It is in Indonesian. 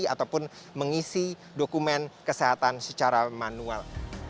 ataupun mengisi dokumen kesehatan secara manual